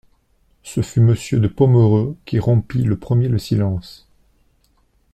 Ce fut Monsieur de Pomereux qui rompit le premier le silence.